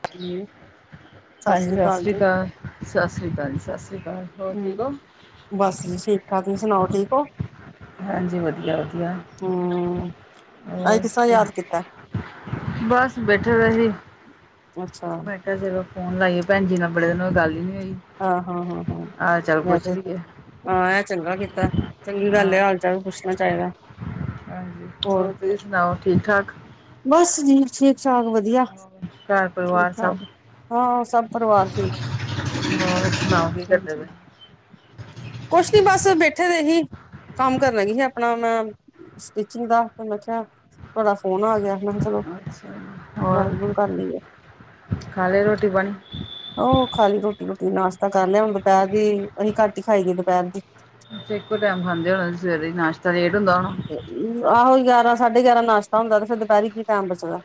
[inaudible] ਹਾਂਜੀ ਸ੍ਰੀ ਸਸ੍ਰੀ ਜੀ ਅਕਾਲ, ਸਸ੍ਰੀ ਅਕਾਲ ਜੀ, ਸਸ਼੍ਰੀ ਅਕਾਲ, ਹੋਰ ਹਮ ਠੀਕ ਹੋ? ਬਸ ਜ ਠੀਕ -ਠਾਕ, ਤੁਸੀਂ ਸੁਣਾਓ ਠੀਕ ਹੋ? ਹਾਂਜੀ ਵਧੀਆ ਵਧੀਆ ਹਮ, ਅੱਜ ਹੋਰ ਕਿਸਾ ਯਾਦ ਕੀ ਕੀਤਾ। ਬਸ ਬੈਠੇ ਰਹੇ। ਅੱਛਾ। ਫੇਰ ਫਿਰ ਫੋਨ ਲਾਈਏ, ਭੈਣ ਜੀ ਬੜੇ ਦਿਨ ਹੋ ਗੱਲ ਹੀ ਨਹੀਂ ਹੋਈ। ਹਾਂ -ਹਾਂ -ਹਾਂ- ਹਾਂ ਆਹ ਚੱਲ ਮੈ ਪੁੱਛ ਤੇ। ਲਈਏ ਹਾਂ ਇਹ ਚੰਗਾ ਕੀਤਾ ਐ। ਚੰਗੀ ਹਾਂ ਗੱਲ ਐ ਹਾਲ -ਚਾਲ ਵੀ ਪੁੱਛਣਾ ਚਾਹੀਦਾ। ਹਾਂਜੀ ਹੋਰ ਤੁਸੀਂ ਸੁਣਾਓ ਠੀਕ- ਠਾਕ? ਬਸ ਜੀ ਠੀਕ -ਠਾਕ ਵਧੀਆ। ਵਧੀਆ ਘਰ ਠੀਕ ਪਰਿਵਾਰ ਸਭ -ਠਾਕ ਹਾਂ। ਸਭ ਪਰਿਵਾਰ ਠੀਕ, ਹੋਰ ਸੁਣਾਓ? ਕੀ ਕਰਦੇ ਹੈਜੀ। [inaudible] ਕੁਛ ਨੀ ਬਸ ਬੈਠੇ ਦੇ ਜੀ। ਕੰਮ ਕਰਨ ਲੱਗੀ ਸੀ ਆਪਣਾ ਮੈਂ ਸਟਿਚਿੰਗ ਦਾ ਮੈਂ ਕਿਹਾ ਆ ਤੁਹਾਡਾ ਫੋਨ ਆ ਗਿਆ। ਮੈਂ ਕਿਹਾ ਚਲ। ਅੱਛਾ ਹੋਰ ਖਾ ਲਿਆ ਰੋਟੀ-ਪਾਣੀ। ਉਹ ਖਾਲੀ ਰੋਟੀ- ਰੋਟੀ ਨਾਸ਼ਤਾ ਕਰ ਲਿਆ। ਹੁਣ ਦੁਪਹਿਰ ਦੀ ਅਸੀਂ ਘੱਟ ਹੀ ਖਾਈ ਦੀ ਦੁਪਹਿਰ ਦੀ। ਅੱਛੇ ਇੱਕੋ ਟਾਈਮ ਖਾਂਦੇ ਹੋਣੇ ਤੁਸੀਂ ਸਵੇਰੇ ਨਾਸ਼ਤਾ ਲੇਟ ਹੁੰਦਾ ਹੁਣਾ। ਆਹੋ ਗਿਆਰਾਂ ਸਾਢੇ ਗਿਆਰਾਂ ਨਾਸ਼ਤਾ ਹੁੰਦਾ ਤੇ ਫਿਰ ਦੁਪਹਿਰੀ ਕੀ ਟੈਮ ਬਚਦਾ।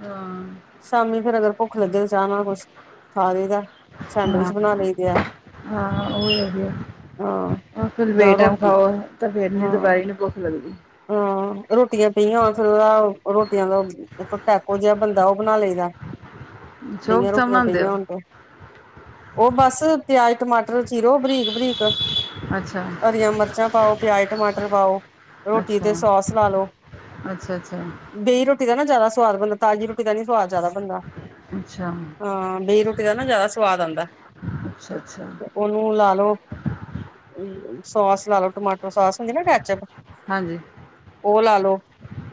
ਹਾਂ। ਸ਼ਾਮੀ ਫੇਰ ਅਗਰ ਭੁੱਖ ਲੱਗੇ ਤਾਂ ਚਾਹ ਨਾਲ ਕੁਛ, ਖਾ ਲਈਦਾ ਹਾਂ ਸੈਂਡਵਿਚ ਬਣਾ ਲਈ ਦੇ ਆ। ਹਾਂ, ਉਹ ਵੀ ਵਧੀਆ। ਹਾਂ ਉਹ ਫਿਰ ਬੇ ਜਾਂ -ਟਾਇਮ ਰੋਟੀ ਖਾਓ। ਤਾਂ ਫਿਰ ਨੀ ਦੁਪਹਿਰੇ ਨੂੰ ਭੁੱਖ ਲੱਗਦੀ। ਹਾ ਰੋਟੀਆਂ ਪਈਆਂ ਹੋਣ ਫਿਰ ਉਹਦਾ ਰੋਟੀਆਂ ਦਾ। ਇੱਕੋ ਟੈਕੋ ਜਿਹਾ ਬਣਦਾ ਉਹ ਬਣਾ ਲਈਦਾ ਚੌਕ ਬੇਹੀਆਂ ਸਾ ਰੋਟੀਆਂ ਬਣਾਉਂਦੇ ਹੋ ਪਈਆਂ ਹੋਣ ਤੇ। ਉਹ ਬਸ ਪਿਆਜ, ਟਮਾਟਰ ਚੀਰੋ ਬਰੀਕ- ਬਰੀਕ। ਅੱਛਾ ਹਰੀਆਂ ਮਿਰਚਾਂ ਪਾਓ। ਪਿਆਜ਼ ਟਮਾਟਰ ਪਾਓ। ਰੋਟੀ ਅੱਛਾ ਤੇ ਸੌਸ ਲਾ ਲਓ। ਅੱਛਾ ਅੱਛਾ ਬੇਈ ਰੋਟੀ ਦਾ ਨਾ ਜ਼ਿਆਦਾ ਸਵਾਦ ਬਣਦਾ ਤਾਜ਼ੀ ਰੋਟੀ ਦਾ ਨੀ ਸਵਾਦ ਜ਼ਿਆਦਾ ਬਣਦਾ। ਅੱਛਾ ਹਾਂ ਬੇਈ ਰੋਟੀ ਦਾ ਨਾ ਜ਼ਿਆਦਾ ਸਵਾਦ ਆਉਂਦਾ। ਅੱਛਾ ਅੱਛਾ ਉਹਨੂੰ ਲਾ -ਲੋ ਸੋਸ ਲਾ -ਲੋ ਟਮਾਟੋ ਸੋਸ ਹੁੰਦੀ ਐ ਨਾ ਕੈਚਅਪ। ਹਾਂਜੀ। ਉਹ ਲਾ- ਲੋ।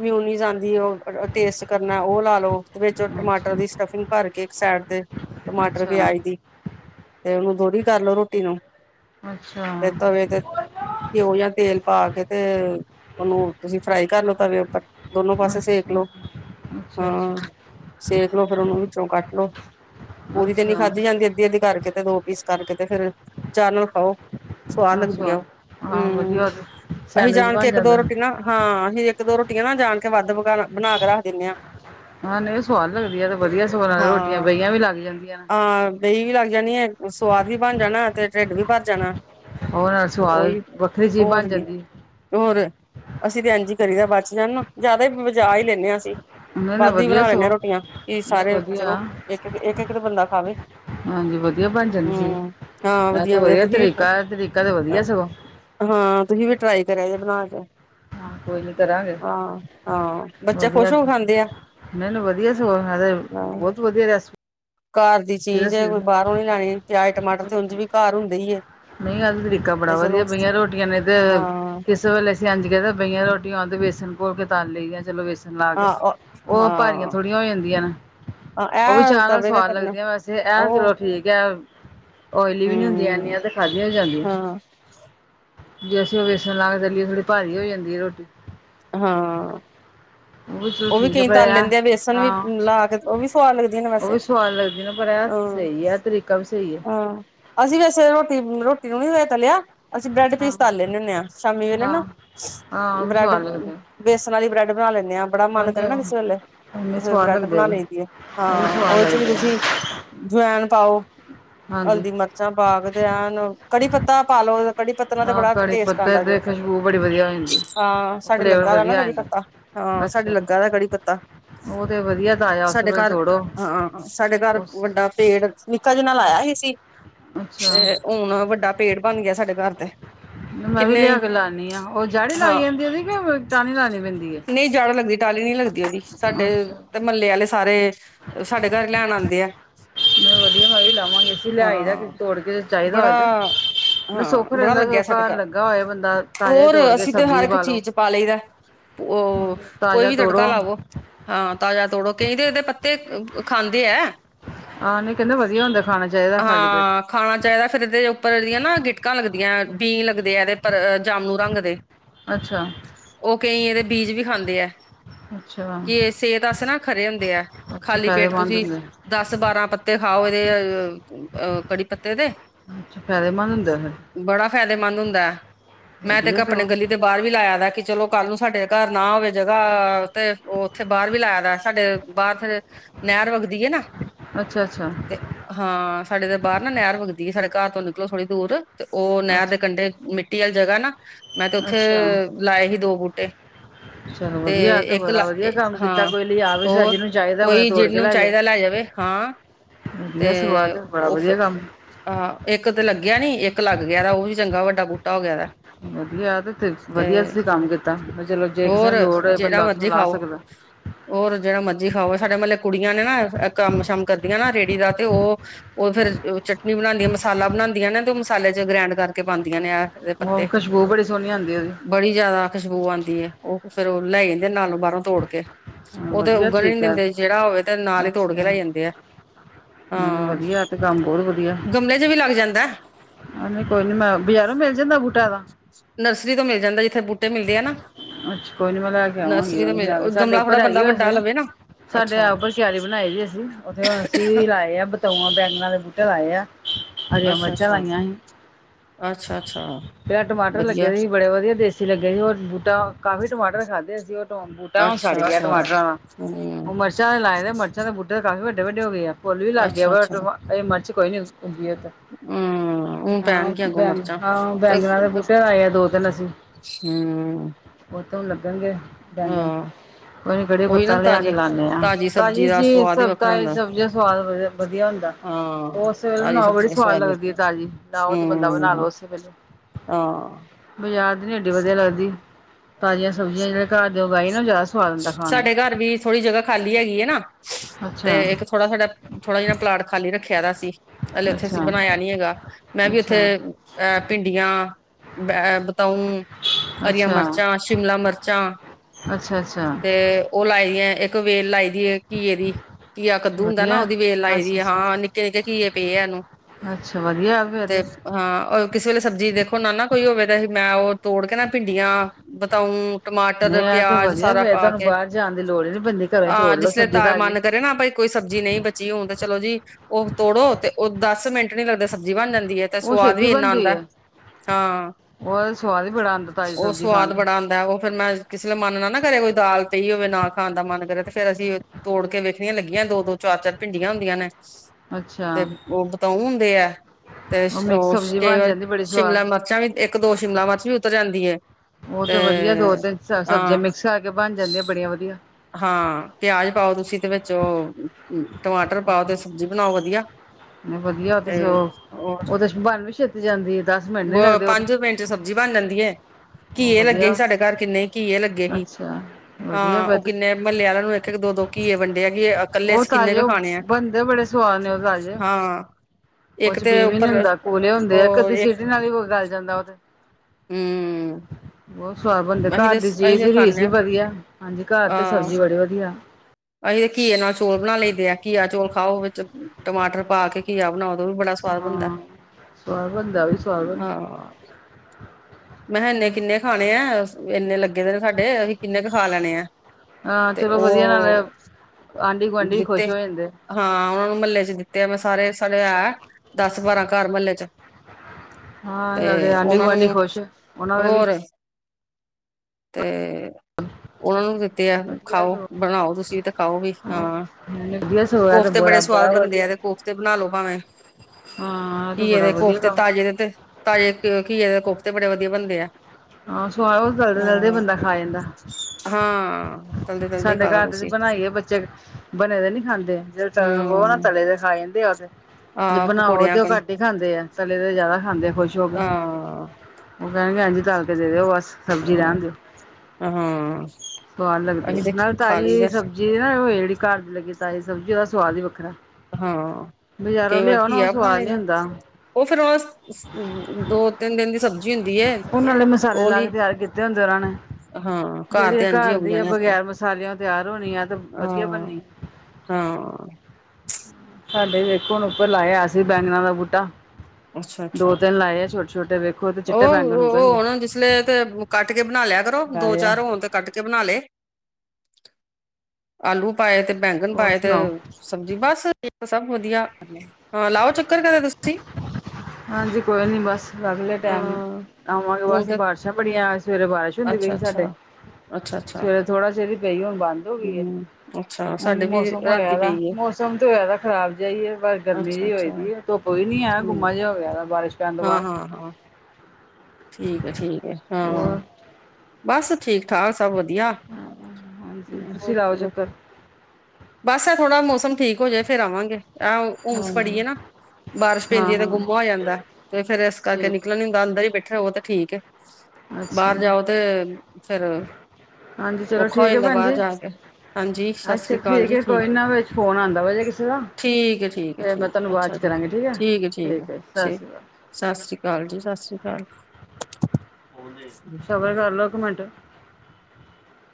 ਮਿਉਨੀਜ਼ ਆਦੀ ਐ ਉਹ ਟੇਸਟ ਕਰਨਾ ਉਹ ਲਾ ਲੋ ਵਿੱਚ ਅੱਛਾ ਟਮਾਟਰ ਦੀ ਸਟੱਫਿੰਗ ਭਰ ਕੇ ਇੱਕ ਸਾਈਡ ਤੇ ਟਮਾਟਰ ਅੱਛਾ ਅੱਛਾ ਪਿਆਜ਼ ਦੀ ਤੇ ਉਹਨੂੰ ਥੋੜੀ ਕਰਲੋ ਰੋਟੀ ਨੂੰ ਅੱਛਾ ਤੇ ਤਵੇ ਤੇ ਘਿਓ ਜਾਂ ਤੇਲ ਪਾ ਕੇ ਤੇ ਉਹਨੂੰ ਤੁਸੀਂ ਫਰਾਈ ਕਰ ਲਓ ਤਵੇ ਉੱਪਰ ਦੋਨੋ ਪਾਸੇ ਸੇਕ ਅੱਛਾ ਲੋੋ ਹਾਂ ਸੇਕ ਲੋ ਫੇਰ ਉਹਨੂੰ ਵਿੱਚੋਂ ਕੱਟ ਲੋੋ ਪੂਰੀ ਤੇ ਨੀ ਅੱਛਾ ਅੱਛਾ ਖਾਧੀ ਜਾਂਦੀ ਅੱਧੀ-ਅੱਧੀ ਕਰਕੇ ਤੇ ਪੀਸ ਕਰਕੇ ਤੇ ਫੇਰ ਚਾਹ ਨਾਲ ਖਾਓ ਸਵਾਦ ਆਹ ਲੱਗਦੀ ਆ ਓ ਹਾਂ ਹਮ ਵਧੀਆ ਅਸੀਂ ਸੈਂਡਵਿਚ ਜਾਣ ਕੇ ਬਣ ਇੱਕ ਦੋ ਜਾਂਦਾ ਰੋਟੀ ਨਾ ਹਾਂ ਅਸੀਂ ਇੱਕ ਦੋ ਰੋਟੀਆਂ ਨਾ ਜਾਣ ਕੇ ਵੱਧ ਬਣਾ ਕੇ ਰੱਖ ਦਿੰਦੇ ਆ ਹਾਂ ਨਹੀਂ ਉਹ ਸਵਾਦ ਲੱਗਦੀ ਐ ਤੇ ਵਧੀਆ ਸਗੋ ਰੋਟੀਆਂ ਹਾਂ ਬੇਹੀਆਂ ਵੀ ਲੱਗ ਜਾਂਦੀਆਂ ਨਾ ਹਾਂ ਦਹੀਂ ਵੀ ਲੱਗ ਜਾਣੀ ਆ, ਸਵਾਦ ਵੀ ਬਣ ਜਾਣਾ, ਪ੍ਰਧਾਨ ਤੇ ਢਿੱਡ ਵੀ ਭਰ ਜਾਣਾ ਉਹ ਨਾਲ ਸੁਆਦ ਉਹੀ ਵੱਖਰੀ ਚੀਜ਼ ਬਣ ਹੋਰ ਕੀ ਜਾਂਦੀ ਹੋਰ ਅਸੀਂ ਤੇ ਇੰਝ ਈ ਕਰੀ ਦਾ ਬਚ ਜਾਣ ਨਾ ਜਿਆਦਾ ਹੀ ਬਚ ਈ ਲੈਂਦੇ ਆ ਅਸੀਂ ਨਹੀਂ ਨਹੀਂ ਵੱਧ ਈ ਵਧੀਆ ਬਣਾ ਲੈਂਦੇ ਆ ਸਗੋਂ ਰੋਟੀਆਂ ਕੀ ਨਹੀਂ ਸਾਰੇ ਚਲੋ ਵਧੀਆ ਇੱਕ-ਇੱਕ-ਇੱਕ ਤੇ ਬੰਦਾ ਖਾਵੇ ਹਾਂਜੀ ਵਧੀਆ ਬਣ ਜਾਂਦੀ ਸੀ। ਹਮ ਹਾਂ ਇਹ ਤੇ ਵਧੀਆ ਤੁਸੀਂ ਵੀ ਤਰੀਕਾ ਤੇ ਵਧੀਆ ਸਗੋਂ ਹਾਂ ਤੁਸੀਂ ਵੀ ਟਰਾਈ ਕਰਿਆ ਜੇ ਬਣਾ ਕੇ ਹਾਂ ਕੋਈ ਨੀ ਕਰਾਂਗੇ ਹਹ ਹਾਂ ਬੱਚਾ ਵਧੀਆ ਖੁਸ਼ ਹੋ ਕੇ ਖਾਂਦੇ ਆ ਨਹੀਂ - ਨਹੀ ਵਧੀਆ ਸੀ ਛੋਲੀਆ ਤੇ ਹਾਂ ਬਹੁਤ ਵਧੀਆ ਰਿਸਪੀ। ਘਰ ਦੀ ਚੀਜ਼ ਐ ਕੋਈ ਬਾਹਰੋਂ ਨੀ ਲੈਣੀ ਪਿਆਜ, ਟਮਾਟਰ ਤੇ ਵੀ ਉਂਝ ਵੀ ਘਰ ਹੁੰਦੇ ਈ ਐ। ਨਹੀਂ ਇ‌ਹ ਤੇ ਤਰੀਕਾ ਬੜਾ ਵਧੀਆ ਬੇਈਆਂ ਰੋਟੀਆਂ ਨੇ ਅਤੇ ਹਾਂ ਕਿਸੇ ਵੇਲੇ ਅਸੀਂ ਇੰਝ ਕਹਿੰਦੇ ਤਾਂ ਬੇਈਆਂ ਰੋਟੀਆਂ ਹੋਣ ਤੇ ਬੇਸਣ ਘੋਲ ਕੇ ਤਲ ਲਈ ਦੀਆਂ ਚਲੋ ਬੇਸਣ ਲਾ ਕੇ ਹਾਂ ਉਹ ਭਾਰੀਆਂ ਹਾਂ ਥੋੜੀਆਂ ਹੋ ਜਾਂਦੀਆਂ ਨੇ ਉਹ ਵੀ ਇਹ ਚਾਹ ਨਾਲ ਤਵੇ ਦਾ ਸਵਾਦ ਲੱਗਦਾ ਕਰਨਾ ਵੈਸੇ ਐ ਉਹ ਚਲੋ ਠੀਕ ਹੈ, ਓਇਲੀ ਵੀ ਨੀ ਹੁੰਦੀਆਂ ਹਮ ਐਨੀਆਂ ਤੇ ਖਾਦੀਆਂ ਵੀ ਜਾਂਦੀਆਂ ਹਾਂ ਜੇ ਅਸੀਂ ਉਹ ਵੇਸਣ ਲਾ ਕੇ ਤਲੀਏ ਥੋੜ੍ਹੀ ਭਾਰੀ ਹੋ ਜਾਂਦੀ ਐ ਰੋਟੀ ਹਾਂ। ਉਹ ਵੀ ਠੀਕ ਕਈ ਪਏ ਤਲ ਆ ਲੈਂਦੇ ਬੇਸਣ ਵੀ ਹਾਂ ਲਾ ਕੇ ਉਹ ਵੀ ਸਵਾਦ ਲੱਗਦੀ ਨੇ ਉਹ ਵੈਸੇ ਵੀ ਸਵਾਦ ਲੱਗਦੀ ਪਰ ਸਹੀ ਹਾਂ ਐ ਤਰੀਕਾ ਵੀ ਸਹੀ ਐ। ਹਾਂ ਅਸੀਂ ਵੈਸੇ ਰੋਟੀ-ਰੋਟੀ ਨੂੰ ਨੀ ਵੈਸੇ ਤਲਿਆ ਅਸੀਂ ਬ੍ਰੈਡ ਹਾਂ ਪੀਸ ਤਲ ਲੈਦੇ ਹੁੰਦੇ ਆ ਸ਼ਾਮੀ ਵੇਲੇ ਨਾ ਹਾਂ ਹਾਂ ਉਹ ਵੀ ਬ੍ਰੈਡ, ਸਵਾਦ ਲੱਗਦੇ ਬੇਸਣ ਵਾਲੀ ਬ੍ਰੈਡ ਬਣਾ ਲੈਂਨੇ ਆ ਬੜਾ ਮਨ ਉਹਨੇ ਕਰੇ ਨਾ ਕਿਸੇ ਵੇਲੇ ਉਹਨੇ ਤੇ ਫਿਰ ਸਵਾਦ ਬਰੈਡ ਲੱਗਦੇ ਉਹ ਬਣਾ ਵੀ ਲਈ ਦੀ ਆ ਉਹ ਹਾ, ਵੀ ਸਵਾਦ ਉਹਦੇ ਚ ਵੀ ਲੱਗਦੇ ਆ ਤੁਸੀਂ ਜਵੈਨ ਪਾਓ ਹਾਂਜੀ ਹਲਦੀ ਮਿਰਚਾਂ ਪਾਕੇ ਐਨ ਕੜੀ ਪੱਤਾ ਪਾਲੋ ਕੜੀ ਪੱਤੇ ਨਾਲ ਤੇ ਹਾਂ ਬੜਾ ਕੜੀ ਟੇਸਟ ਪੱਤੇ ਆਦਾ ਜੇ। ਦੇ ਖੁਸ਼ਬੂ ਬੜੀ ਵਧੀਆ ਹੋ ਜਾਂਦੀ ਹਾਂ ਸਾਡੇ ਫਲੇਵਰ ਲੱਗਾ ਆ ਨਾ ਵਧੀਆ ਕੜੀ ਪੱਤਾ ਜਾਂਦਾ ਹਾਂ ਸਾਡੇ ਅੱਛਾ ਲੱਗਾ ਨਾ ਕੜੀ ਪੱਤਾ ਉਹ ਤੇ ਵਧੀਆ ਤਾਜ਼ਾ ਉਸ ਸਾਡੇ ਵੇਲੇ ਘਰ ਤੋੜੋ ਹਾਂ ਸਾਡੇ ਘਰ ਉਸ ਵੱਡਾ ਪੇੜ ਨਿੱਕਾ ਜਿੰਨਾ ਨਾ ਲਾਇਆ ਹੀ ਸੀ। ਅੱਛਾ ਤੇ ਹੁਣ ਵੱਡਾ ਪੇੜ ਬਣ ਗਿਆ ਸਾਡੇ ਘਰ ਤੇ ਮੈਂ ਵੀ ਕਿੰਨੇ ਲਿਆ ਹੀ ਕੇ ਲਾਣੀ ਆ ਉਹ ਜੜ ਲਗ ਹਾਂ ਜਾਂਦੀ ਆ ਕਿ ਟਾਹਣੀ ਲਾਣੀ ਪੈਂਦੀ ਆ। ਨਹੀਂ ਜੜ ਲੱਗਦੀ ਟਾਹਣੀ ਨੀ ਲੱਗਦੀ ਉਹਦੀ ਸਾਡੇ ਅੱਛਾ ਮਹੱਲੇ ਆਲੇ ਸਾਰੇ ਸਾਡੇ ਘਰ ਈ ਲੈਣ ਆਦੇ ਆ। ਮੈਂ ਵਧੀਆ ਮੈਂ ਵੀ ਲਾਵਾਂਗੀ ਅਸੀ ਲਿਆਈ ਦਾ ਹਾਂ ਤੋੜ ਕੇ ਤੇ ਚਾਹੀਦਾ ਬੜਾ ਹੋਏ ਤੇ ਮੈਂ ਸੁੱਖ ਹਾਂ ਬੜਾ ਰਹਿੰਦਾ ਲੱਗਿਆ ਕਿਉਂਕਿ ਸਾਡੇ ਘਰ ਲੱਗਾ ਹੋਇਆ ਬੰਦਾ ਤਾਜ਼ਾ ਹੋਰ ਤੌੜ ਕੇ ਅਸੀਂ ਤੇ ਸਬਜ਼ੀ ਹਰ 'ਚ ਇੱਕ ਪਾਲੋ। ਚੀਜ਼ ਪਾ ਲਈਦਾ ਉਹ ਕੋਈ ਵੀ ਤੜਕਾ ਲਾਵੋ। ਹਾਂ ਤਾਜ਼ਾ ਤੋੜੋ ਕਈ ਤੇ ਇਹਦੇ ਪੱਤੇ ਖਾਂਦੇ ਐ। ਆਾ ਨਹੀਂ ਕਹਿੰਦੇ ਵਧੀਆ ਹੁੰਦਾ। ਖਾਣਾ ਚਾਹੀਦਾ ਖਾਲੀ ਪੇਟ ਹਾਂ। ਖਾਣਾ ਚਾਹੀਦਾ ਫਿਰ ਇਹਦੇ ਉੱਪਰ ਦੀਆਂ ਨਾ ਗਿਟਕਾਂ ਲੱਗਦੀਆਂ ਬੀ ਲੱਗਦੇ ਆ। ਇਹਦੇ ਉਪਰ ਜਾਮਣੂ ਰੰਗ ਦੇ। ਅੱਛਾ। ਉਹ ਕਈ ਇਹਦੇ ਬੀਜ ਵੀ ਖਾਂਦੇ ਐ। ਅੱਛਾ ਕਿ ਇਹ ਸਿਹਤ ਆਸ ਤੇ ਨਾ ਖਰੇ ਹੁੰਦੇ ਆ। ਅੱਛਾ ਖਾਲੀ ਪੇਟ ਫਾਇਦੇਮੰਦ ਤੁਸੀਂ ਹੁੰਦੇ ਦਸ ਬਾਰਾਂ ਪੱਤੇ ਖਾਓ ਇਹਦੇ ਕੜੀ ਪੱਤੇ ਦੇ। ਅੱਛਾ ਫਾਇਦੇਮੰਦ ਹੁੰਦੇ ਆ ਫਿਰ। ਬੜਾ ਫਾਇਦੇਮੰਦ ਹੁੰਦਾ ਹੈ। ਮੈਂ ਤੇ ਇੱਕ ਵਧੀਆ ਆਪਣੇ ਸਗੋਂ ਗਲੀ ਦੇ ਬਾਹਰ ਵੀ ਲਾਇਆ ਦਾ ਕਿ ਚਲੋ ਕੱਲ ਨੂੰ ਸਾਡੇ ਘਰ ਨਾ ਹੋਵੇ ਜਗ੍ਹਾ ਤੇ ਉਹ ਉੱਥੇ ਬਾਹਰ ਵੀ ਲਾਇਆ ਦਾ। ਸਾਡੇ ਬਾਹਰ ਤੇ ਨਹਿਰ ਵਗਦੀ ਨਾ। ਅੱਛਾ ਅੱਛਾ ਤੇ ਹਾਂ ਸਾਡੇ ਤੇ ਬਾਹਰ ਨਾ ਨਹਿਰ ਵਗਦੀ ਆ। ਸਾਡੇ ਘਰ ਤੋਂ ਨਿਕਲੋ ਥੋੜੀ ਦੂਰ ਤੇ ਉਹ ਨਹਿਰ ਦੇ ਅੱਛਾ ਕੰਢੇ ਮਿੱ ਮਿੱਟੀ ਵਾਲੀ ਜਗ੍ਹਾ ਨਾ। ਮੈਂ ਤੇ ਉੱਥੇ ਅੱਛਾ ਲਾਏ ਸੀ ਦੋ ਬੂਟੇ। ਚਲੋ ਤੇ ਵਧੀਆ ਇਹ ਇੱਕ ਲ ਬੜਾ ਵਧੀਆ ਕੰਮ ਕੀਤਾ ਹਾਂ ਕੋਈ ਲਿਆ ਵੀ ਹੋਰ ਸਬਜ਼ੀ ਨੂੰ ਚਾਹੀਦਾ ਬੰਦਾ ਕੋਈ ਤੋੜ ਕੇ ਜਿਹਨੂੰ ਜਾਏ ਚਾਹੀਦਾ ਲੈ ਜਾਵੇ। ਹਾ ਤੇ ਵਧੀਆ ਸਗੋਂ ਇਹ ਤੇ ਬੜਾ ਉਹ ਵਧੀਆ ਫਿਰ ਕੰਮ ਹਾਂ ਇੱਕ ਤੇ ਲੱਗਿਆ ਨੀ ਇੱਕ ਲੱਗ ਗਿਆ ਤਾਂ ਉਹ ਵੀ ਚੰਗਾ ਵੱਡਾ ਬੂਟਾ ਹੋ ਗਿਆ ਵਾ। ਵਧੀਆ ਤੇ ਵਧੀਆ ਤੁਸੀਂ ਕੰਮ ਕੀਤਾ। ਪਰ ਚਲੋ ਜੇ ਕਿਸੇ ਹੋਰ ਨੂੰ ਲੋੜ ਹੋਏ ਜਿਹੜਾ ਬੰਦਾ ਉੱਥੋਂ ਮਰਜੀ ਲਾ ਖਾਓ ਸਕਦਾ। ਹੋਰ ਜਿਹੜਾ ਮਰਜ਼ੀ ਖਾਓ ਸਾਡੇ ਮਹਲੇ ਕੁੜੀਆਂ ਨੇ ਨਾ ਕੰਮ ਸ਼ਮ ਕਰਦੀਆਂ ਨਾ ਰੇਹੜੀ ਦਾ ਤੇ ਉਹ ਉਹ ਫੇਰ ਚਟਨੀ ਬਣਾਂਦੀਆਂ ਮਸਾਲਾ ਬਣਾਂਦੀਆਂ ਨੇ। ਤੇ ਉਹ ਮਸਾਲੇ 'ਚ ਗ੍ਰੈਂਡ ਕਰਕੇ ਪਾਂਦੀਆਂ ਨੇ ਆ। ਦੇ ਹੋਰ ਪੱਤੇ ਖੁਸ਼ਬੂ ਬੜੀ ਸੋਹਣੀ ਆਂਦੀ ਉਹਦੀ। ਬੜੀ ਜਿਆਦਾ ਖੁਸ਼ਬੂ ਆਂਦੀ ਐ। ਉਹ ਫੇਰ ਲੈ ਜਾਂਦੇ ਨਾਲੋਂ ਬਾਹਰੋਂ ਤੋੜ ਕੇ। ਉਹ ਤੇ ਵਧੀਆ ਉੱਗਣ ਹੀ ਨੀ ਤਰੀਕਾ ਦਿੰਦੇ ਜਿਹੜਾ ਹੋਵੇ ਤੇ ਨਾਲ ਹੀ ਤੋੜ ਕੇ ਅੱਛਾ ਲੈ ਜਾਂਦੇ ਆ। ਮੈਨੂੰ ਹਾਂ ਵਧੀਆ ਤੇ [unintelligible] ਕੰਮ ਗਮਲੇ 'ਚ ਵੀ ਲੱਗ ਜਾਂਦਾ। ਹਾ ਨਹੀਂ ਕੋਈ ਨੀ ਮੈਂ ਬਜਾਰੋਂ ਮਿਲ ਜਾਂਦਾ ਬੂਟਾ ਇਹਦਾ। ਨਰਸਰੀ ਤੋਂ ਮਿਲ ਜਾਂਦਾ। ਜਿੱਥੋ ਬੂਟੇ ਮਿਲਦੇ ਆ ਨਾ। ਅੱਛਾ ਕੋਈ ਨੀ ਮੈਂ ਲੈ ਕੇ ਨਰਸਰੀ ਦਾ ਆਵਾਂਗੀ ਮਿਲ ਜਾ ਕੇ ਸਾਡੇ ਗਮਲਾ ਥੋੜਾ ਉੱਪਰ ਹੈਗੀ ਬੰਦਾ ਵੱਡਾ ਵੈਸੇ। ਲਵੇ ਨਾ ਸਾਡੇ ਅੱਛਾ ਆਪ ਕਿਆਰੀ ਬਣਾਈ ਵੀ ਅਸੀਂ। ਉੱਥੇ ਹੁਣ ਅਸੀਂ ਲਾਏ ਆ ਬਤੋਆਂ ਬੈਗਨਾਂ ਦੇ ਬੂਟੇ ਲਾਏ ਆ। ਹਰੀਆਂ ਅੱਛਾ ਮਿਰਚਾਂ ਅੱਛਾ ਲਾਈਆਂ ਸੀ। ਅੱਛਾ ਅੱਛਾ [unintelligible] ਫਿਰ ਟਮਾਟਰ ਵਧੀਆ ਲੱਗੇ ਸੀ। ਬੜੇ ਵਧੀਆ ਦੇਸੀ। ਅਸੀ ਲੱਗੇ ਸੀ ਉਹ ਬੂਟਾ ਕਾਫੀ ਟਮਾਟਰ ਖਾਧੇ ਅਸੀ ਔਰ ਬੂਟਾ ਹੁਣ ਸੜ ਅੱਛਾ ਗਿਆ ਅੱਛਾ ਟਮਾਟਰਾਂ ਦਾ। ਉਹ ਹੂੰ ਮਿਰਚਾਂ ਲਾਏ ਦੇ ਮਚਾਂ ਬੂਟੇ ਤੇ ਕਾਫੀ ਵੱਡੇ-ਵੱਡੇ ਹੋ ਗਏ ਆ। ਫੁੱਲ ਵੀ ਲਾਗੇ ਆ ਅੱਛਾ ਅੱਛਾ ਇਹ ਮਰਚ ਕੋਈ ਨੀ ਉਗੀ ਉਤੇ ਹੂੰ ਹੁਣ ਹਾਂ ਪੈਣਗੀਆਂ ਅੱਗੋਂ ਬੈਂਗ ਮਿਰਚਾਂ ਹਾਂ ਬੈਂਗਣਾ ਦੇ ਬੂਟੇ ਲਏ ਆ ਦੋ ਤਿੰਨ ਅਸੀਂ। ਹਮ। ਉਹ ਤਾਂ ਲੱਗਣਗੇ। ਹਾਂ। ਉਹਨੂੰ ਕੜੀ ਉਹੀ ਨਾ ਪੱਤਾ ਲਿਆ ਕੇ ਤਾਜ਼ੀ ਲਾਉਦੇ ਆਂ ਸਬਜ਼ੀ ਤਾਜ਼ੀ ਦਾ ਚੀਜ਼ ਸਵਾਦ ਹੀ ਵੱਖਰਾ ਤਾਜ਼ੀ ਹੁੰਦਾ ਸਬਜ਼ੀ ਦਾ ਸਵਾਦ ਵਧ ਵਧੀਆ ਹੁੰਦਾ। [inaudible] ਹਾਂ ਉਸ ਵੇਲੇ ਤਾਜ਼ੀ ਨਾ ਉਹ ਬੜੀ ਸਬਜ਼ੀ ਦਾ ਸਵਾਦ ਵਧੀਆ ਲੱਗਦੀ ਤਾਜ਼ੀ ਨਾ ਉਹ ਤੇ ਬੰਦਾ ਬਣਾ ਲੋੋ ਉਸੇ ਵੇਲੇ ਆ। ਬਾਜ਼ਾਰ ਦੀ ਨੀ ਏਡੀ ਵਧੀਆ ਲੱਗਦੀ। ਤਾਜ਼ੀਆਂ ਸਬਜ਼ੀਆਂ ਜਿਹੜੇ ਘਰ ਦੇ ਉਗਾਈ ਨਾ ਜਾ ਸਾਡੇ ਘਰ ਵੀ ਥੋੜ੍ਹੀ ਜਗ੍ਹਾ ਖਾਲੀ ਹੈਗੀ ਹੈ ਨਾ ਤੇ ਅੱਛਾ ਇੱਕ ਥੋੜਾ ਸਾਡਾ ਥੋੜ੍ਹਾ ਜਿਹਾ ਪਲਾਟ ਖਾਲੀ ਰੱਖਿਆ ਦਾ ਸੀ ਹਲੇ ਉੱਥੇ ਅਸੀਂ ਅੱਛਾ ਬਣਾਇਆ ਨੀ ਹੈਗਾ ਮੈਂ ਵੀ ਉੱਥੇ ਅੱਛਾ ਮੈਂ ਵੀ ਉੱਥੇ ਭਿੰਡੀਆਂ, ਬਤਾਊ, ਹਰੀਆਂ ਅੱਛਾ ਮਿਰਚਾਂ, ਸ਼ਿਮਲਾ ਮਿਰਚਾਂ ਅੱਛਾ ਆ। ਤੇ ਉਹ ਲਾਈ ਦੀਆਂ ਇੱਕ ਵੇਲ ਲਾਈ ਦੀ ਹੈ ਘੀਏ ਦੀ ਘੀਆ ਕੱਦੂ ਹੁੰਦਾ ਨਾ ਵਧੀਆ ਉਹਦੀ ਵੇਲ ਲਾਈ ਅੱਛਾ ਦੀ ਆ ਅੱਛਾ ਹਾਂ ਨਿੱਕੇ- ਨਿੱਕੇ ਘੀਏ ਪਏ ਆ ਇਹਨੂੰ ਅੱਛਾ ਵਧੀਆ ਫੇਰ ਤੇ ਹਾਂ ਕਿਸੇ ਵੇਲੇ ਸਬਜ਼ੀ ਦੇਖੋ ਨਾ ਨਾ ਕੋਈ ਹੋਵੇ ਤਾਂ ਮੈਂ ਉਹ ਤੋੜ ਕੇ ਨਾ ਭਿੰਡੀਆਂ ਬਤਾਊਂ, ਨਹੀਂ ਟਮਾਟਰ, ਇਹ ਤਾਂ ਪਿਆਜ ਵਧੀਆ ਸਾਰਾ ਫਿਰ ਪਾ ਤੁਹਾਨੂੰ ਕੇ ਬਾਹਰ ਜਾਣ ਦੀ ਲੋੜ ਹੀ ਨਹੀਂ ਪੈਂਦੀ ਘਰੋਂ ਹੀ ਹਾਂ ਆ ਤੋੜ ਲਓ ਜਿਸ ਤ ਸਬਜ਼ੀ ਤਾਜ਼ੀ ਮਨ ਕਰੇ ਨਾ ਆਪ ਕੋਈ ਸਬਜ਼ੀ ਨਹੀਂ ਬਚੀ ਹੋਣ ਤਾਂ ਚਲੋ ਜੀ ਉਹ ਤੋੜੋ ਤੇ ਉਹ ਦਸ ਮਿੰਟ ਨੀ ਲੱਗਦਾ ਸਬਜ਼ੀ ਬਣ ਜਾਂਦੀ ਹੈ। ਤੇ ਉਹ ਸਵਾਦ ਛੇਤੀ ਵੀ ਇੰਨਾ ਬਣਦੀ ਆਉਂਦਾ ਹੈ ਹਾਂ, ਉਹ ਸਵਾਦ ਹੀ ਬੜਾ ਆਉਂਦਾ ਤਾਜ਼ੀ ਉਹ ਸਬਜ਼ੀ ਖਾਣ ਸਵਾਦ ਦਾ ਬੜਾ ਆਉਂਦਾ ਉਹ ਫਿਰ ਮੈਂ ਕਿਸੇ ਮਨ ਨਾ ਨਾ ਕਰੇ ਕੋਈ ਦਾਲ ਪਈ ਹੋਵੇ ਨਾ ਖਾਣ ਦਾ ਮਨ ਕਰੇ ਤੇ ਫੇਰ ਅਸੀਂ ਤੋੜ ਕੇ ਵੇਖਣੀਆਂ ਲੱਗੀਆਂ ਦੋ- ਦੋ, ਚਾਰ -ਚਾਰ ਭਿੰਡੀਆਂ ਹੁੰਦੀਆਂ ਨੇ ਅੱਛਾ ਤੇ ਉਹ ਬਤਊ ਹੁੰਦੇ ਆ। ਤੇ ਮਿਕਸ ਉਹ ਸਬਜ਼ੀ ਕਈ ਬਣ ਵਾਰੀ ਜਾਂਦੀ ਬੜੀ ਸਵਾਦ ਸ਼ਿਮਲਾ ਮਿਰਚਾਂ ਵੀ ਇੱਕ ਦੋ ਸ਼ਿਮਲਾ ਮਿਰਚ ਵੀ ਉਤਰ ਜਾਂਦੀ ਏ। ਉਹ ਤੇ ਵਧੀਆ ਦੋ ਤਿੰਨ- ਸਬਜ਼ੀਆਂ ਮਿਕਸ ਕਰਕੇ ਬਣ ਜਾਂਦੀਆਂ ਬੜੀਆਂ ਵਧੀਆ ਹਾਂ ਪਿਆਜ ਪਾਓ ਤੁਸੀਂ ਤੇ ਵਿੱਚ ਉਹ ਟਮਾਟਰ ਪਾਓ ਤੇ ਸਬਜ਼ੀ ਬਣਾਓ ਵਧੀਆ। ਵਧੀਆ ਉਹ ਤੇ ਉਹਤੇ ਬਣ ਵੀ ਛੇਤੀ ਜਾਂਦੀ ਦਸ ਮਿੰਟ ਨੀ ਲੱਗਦੇ ਉਹ ਤੇ। ਜਦੋ ਸਬਜ਼ੀ ਬਣ ਜਾਂਦੀ ਏ। ਘੀਏ ਲੱਗੇ ਸੀ ਵਧੀਆ ਸਾਡੇ ਘਰ ਕਿੰਨੇ ਘੀਏ ਲੱਗੇ ਸੀ, ਅੱਛਾ ਵਧੀਆ ਹਾਂ। ਫਿਰ ਤੇ ਕਿੰਨੇ ਮਹੱਲੇ ਆਲਿਆ ਨੂੰ ਇੱਕ-ਇੱਕ ਦੋ- ਦੋ ਘੀਏ ਵੰਡੇ ਆ ਕਿ ਇਕੱਲੇ ਉਹ ਅਸੀਂ ਕਿੰਨੇ ਤਾਜ਼ੇ ਕੁ ਉਹ ਖਾਣੇ ਆ। ਬਣਦੇ ਬੜੇ ਸਵਾਦ ਨੇ ਉਹ ਤਾਜ਼ੇ ਹਾਂ ਹਾਂ, ਉਹ ਇੱਕ ਚ ਤੇ ਬੀ ਵੀ ਨੀ ਉੱਪਰ ਹੁੰਦਾ ਕੂਲੇ ਉਹ ਹੁੰਦੇ ਆ ਹੋ ਕਦੀ ਜੇ। ਸੀਟੀ ਨਾਲ ਹੀ ਗਲ ਜਾਂਦਾ ਉਹ ਤੇ ਹਮ। ਬਹੁਤ ਸਵਾਦ ਬਣਦੇ ਅਸੀਂ ਘਰ ਤੇ ਦੀ ਅਸੀਂ ਚੀਜ਼ ਤੇ ਦੀ ਰੀਸ ਖਾਂਦੇ ਹੀ ਹਾਂ ਵਧੀਆ ਹਾਂਜੀ ਘਰ ਤੇ ਅਹ ਸਬਜ਼ੀ ਬੜੀ ਵਧੀਆ ਅਸੀਂ ਤੇ ਘੀਏ ਨਾਲ ਚੋਲ ਬਣਾ ਲਈ ਦੇ ਆ ਘੀਆ ਚੋਲ ਖਾਓ ਵਿੱਚ ਟਮਾਟਰ ਪਾ ਕੇ। ਘੀਆ ਬਣਾਓ ਤੇ ਵੀ ਬੜਾ ਸਵਾਦ ਬਣਦਾ, ਹਾਂ ਸਵਾਦ ਬਣਦਾ ਉਹ ਵੀ ਸਵਾਦ ਬਣਦਾ ਹਾਂ। ਮੈਂ ਕਿਹਾ ਇੰਨੇ-ਕਿੰਨੇ ਖਾਣੇ ਆ ਇੰਨੇ ਲੱਗੇ ਦੇ ਨੇ ਸਾਡੇ ਅਸੀਂ ਕਿੰਨੇ- ਕੁ ਖਾ ਲੈਣੇ ਆ। ਹਾਂ ਤੇ ਚਲੋ ਵਧੀਆ ਨਾਲ, ਉਹ ਆਂਢੀ ਗੁਆਂਢੀ ਵੀ ਦਿੱਤੇ ਖੁਸ਼ ਹੋ ਜਾਂਦੇ ਆ। ਹਾਂ ਉਹਨਾਂ ਨੂੰ ਮਹੱਲੇ ਚ ਦਿੱਤੇ ਆ ਮੈਂ ਸਾਰੇ ਸਾਡੇ ਹੈ ਦਸ- ਬਾਰਾਂ ਘਰ ਮਹੱਲੇ ਚ। ਹਾਂ ਤੇ ਨਾਲੇ ਆਂਢੀ ਉਹਨਾਂ ਗੁਆਂਢੀ ਨੂੰ ਖੁਸ਼ ਉਹਨਾਂ ਦਾ ਵੀ ਹੋਰ ਤੇ [unintelligible] ਉਹਨਾ ਨੂੰ ਦਿੱਤੇ ਆ ਵਧੀਆ ਖਾਓ ਸਗੋਂ ਬਣਾਓ ਤੁਸੀਂ ਵੀ ਤੇ ਖਾਓ ਵੀ ਹਾਂ। ਵਧੀਆ ਸੀ [unintelligible] ਕੋਫਤੇ ਬੜੇ ਸੁਆਦ ਬਣਦੇ ਆ ਕੋਫਤੇ ਬਣਾ ਲੋ ਭਾਵੇਂ। ਹਾਂ ਇਹ ਤੇ ਘੀਏ ਬੜਾ ਦੇ ਵਧੀਆ ਕੋਫਤੇ ਕੰਮ ਤਾਜ਼ੇ ਦੇ ਤੇ ਤਾਜ਼ੇ ਘੀਏ ਦੇ ਕੋਫਤੇ ਬੜੇ ਵਧੀਆ ਬਣਦੇ ਆ। ਹਾਂ ਸੁਵਾਦ ਉਹ ਤਲਦੇ ਤਲਦੇ ਹਮ ਬੰਦਾ ਖਾ ਜਾਂਦਾ। ਹਾਂ ਤਲਦੇ ਤਲਦੇ ਸਾਡੇ ਖਾ ਲੋ ਘਰ ਦੇ 'ਚ ਤੁਸੀਂ ਬਣਾਈਏ। ਬੱਚੇ ਬਣੇ ਵੇ ਨੀ ਖਾਂਦੇ ਜਿਹੜੇ ਚਲਣ ਉਹ ਨਾ ਹਮ ਤਲੇ ਹੋਏ ਖਾ ਜਾਂਦੇ ਆ। ਉਥੇ ਜੇ ਆਹ ਬਣਾਓ ਪਕੌੜਿਆਂ ਤੇ ਉਹ ਕੰ ਘੱਟ ਹੀ ਖਾਂਦੇ ਆ ਤਲੇ ਦੇ ਜ਼ਿਆਦਾ ਖਾਂਦੇ ਆ ਖੁਸ਼ ਹੋ ਕੇ ਹਾਂ ਉਹ ਕਹਿਣਗੇ ਹਾਂ ਜੀ ਤਲ ਕੇ ਦੇ ਦਿਓ ਬਸ। ਸਬਜ਼ੀ ਰਹਿਣ ਹਾਂ ਦਿਓ ਹਾਂ [inaudible] ਸਵਾਦ ਲੱਗਦੇ ਅਸੀਂ ਤੇ ਨਾਲ ਖਾ ਲਈ ਤਾਜ਼ੀ ਦਾ ਸਬ ਜੀ ਉਹ ਨਾ ਜਿਹੜੀ ਘਰ 'ਚ ਲੱਗੇ ਤਾਜ਼ੀ ਸਬਜ਼ੀ ਉਹਦਾ ਸਵਾਦ ਹੀ ਵੱਖਰਾ। ਹਾਂ ਕਈ ਬਜ਼ਾਰੋਂ ਵਾਰ ਲਿਆਓ ਨਾ ਉਹ ਘੀਆ ਬਣਾ ਸਵਾਦ ਲਈ ਨੀ ਦਾ। ਹੁੰਦਾ ਉਹ ਫਿਰ ਉਸ ਦੋ- ਤਿੰਨ ਦਿਨ ਦੀ ਸਬਜ਼ ਉਹ ਨਾਲੇ ਮਸਾਲੇ ਲਾ ਕੇ ਤਿਆਰ ਕੀਤੇ ਹੁੰਦੇ ਉਹਨਾਂ ਨੇ। ਹਾਂ ਜਿਹੜੀ ਆ ਤੇ ਇੰਝ ਹੀ ਘਰ ਉਗ ਦੀ ਆ ਜਾਣੇ ਆਪੇ ਬਗੈਰ ਮਸਾਲਿਆਂਓ ਤਿਆਰ ਹੋਣੀ ਆ ਤੇ ਵਧੀਆ ਹਾਂ ਬਣਨੀ ਆ। ਹਾਂ ਸਾਡੇ ਵੇਖੋ ਹੁਣ ਉੱਪਰ ਲਾਇਆ ਅਸੀ ਬੈਂਗਨਾ ਦਾ ਬੂਟਾ ਅੱਛਾ ਅੱਛਾ ਦੋ- ਤਿੰਨ ਲਾਏ ਆ ਛੋਟੇ- ਛੋਟੇ ਵੇਖੋ ਉਹਦੇ 'ਚ ਉਹ ਹੋਣ ਜਿਸਲੇ ਤੇ ਕੱਟ ਕੇ ਬਣਾ ਲਿਆ ਕਰੋ ਦੋ- ਲਾਏ ਆ ਚਾਰ ਹੋਣ ਤੇ ਕੱਟ ਕੇ ਬਣਾ ਲਏ। ਆਲੂ ਪਾਏ ਤੇ ਬੈਂਗਣ ਹੋਰ ਪਾਏ ਤੇ ਸੁਣਾਓ ਸਬਜ਼ੀ ਬਸ ਸਭ ਵਧੀਆ। ਹ ਹਾਂ ਲਾਓ ਚੱਕਰ ਕਦੇ ਤੁਸੀਂ [unintelligible] ਹਾਂਜੀ ਕੋਈ ਨੀ ਬਸ ਕੱਢ ਲਿਆ ਟੈਮ ਹਾਂ ਆਵਾਂਗੇ ਉਹ ਬਸ ਤਾਂ ਬ ਅੱਛਾ ਬੜੀਆਂ ਸਵੇਰੇ ਬਾਰਿਸ਼ ਹੁੰਦੀ ਪਈ ਅੱਛਾ ਸੀ ਸਾਡੇ। ਅੱਛਾ ਅੱਛਾ ਅੱਛਾ ਸਵੇਰੇ ਥੋੜਾ ਚਿਰ ਹੀ ਪਈ ਆ। ਹੁਣ ਬੰਦ ਹੋ ਗਈ ਐ। ਹਮ ਅੱਛਾ ਹੁਣ ਸਾਡੇ ਵੀ ਮੌਸਮ ਹੋਇਆ ਰਾਤੀ ਵਾ ਪਈ ਹੈ ਮੌਸਮ ਤੇ ਹੁਣ ਤੇ ਜ਼ਿਆਦਾ ਖਰਾਬ ਜਾ ਈਏ ਗਰਮੀ ਅੱਛਾ ਜੀ ਹੋਈ ਅੱਛਾ ਪਈ ਏ ਧੁੱਪ ਵੀ ਨਹੀਂ ਐ। ਠੀਕ ਗੁੰਮਾਂ ਜਿਹਾ ਹੋਇਆ ਬਾਰਿਸ਼ ਪੈਣ ਤੋਂ ਹਾਂ ਬਾਅਦ। ਹਾਂ ਹਾਂ ਠੀਕ ਐ ਠੀਕ ਐ। ਹੋਰ ਬਸ ਠੀਕ-ਠਾਕ ਸਭ ਵਧੀਆ। ਹਾਂਜੀ ਹੋਰ ਤੁਸੀਂ ਲਾਓ ਚਲੋ ਚੱਕਰ। ਬਸ ਐ ਥੋੜ੍ਹਾ ਮੌਸਮ ਠੀਕ ਹੋ ਜੇ ਫੇਰ ਆਵਾਂਗੇ। ਆਹ ਉਮਸ ਹਾਂਜੀ ਫੜੀਏ ਨਾ। ਬਾਰਿਸ਼ ਪੈਂਦੀ ਹਾਂ ਐ ਤੇ ਹਾਂ ਗੁੰਮਾ ਹੋ ਜਾਂਦਾ। ਤੇ ਫੇਰ ਇਸ ਕਰਕੇ ਠੀਕ ਨਿਕਲ ਨੀ ਹੁੰਦਾ ਅੰਦਰ ਹੀ ਬੈਠੇ ਉਹ ਤੇ ਠੀਕ ਐ ਅੱਛਾ ਬਾਹਰ ਜਾਓ ਤੇ ਫਿਰ ਹਾਂਜੀ ਚਲੋ ਔਖਾ ਹੋ ਠੀਕ ਹੈ ਜਾਂਦਾ ਭੈਣ ਬਾਹਰ ਜੀ ਜਾ ਕੇ ਹਾਂਜੀ ਅੱਛਾ ਸਾਸਰੀਕਾਲ ਜੀ ਹੈ ਕੋਈ ਠੀਕ ਐ ਨਾ ਵਿੱਚ ਫੋਨ ਆਉਂਦਾ ਵਾ ਜੇ ਕਿਸੇ ਦਾ [inaudible] ਠੀਕ ਐ ਠੀਕ। ਫਿਰ ਮੈਂ ਠੀਕ ਹੈ ਤੁਹਾਨੂੰ ਬਾਅਦ 'ਚ ਅੱਛਾ ਜੀ ਕਰਾਂਗੀ ਹੈ ਠੀਕ ਐ ਠੀਕ ਹੈ ਸਤਿ ਐ। ਸ਼੍ਰੀ ਅਕਾਲ ਸਾਸਰੀਕਾਲ ਜੀ ਸਾਸਰੀਕਾਲ। ਹੋਰ ਜੀ ਸਬਰ ਕਰਲੋ ਇੱਕ ਮਿੰਟ।